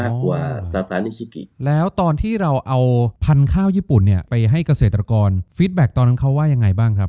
ข้าวที่อายุสั้น